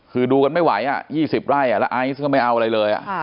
คือดูกันไม่ไหว๒๐ไร่แล้วไอซ์ก็ไม่เอาอะไรเลย